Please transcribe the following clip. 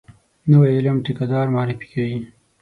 نوی علم ټیکه دار معرفي کوي.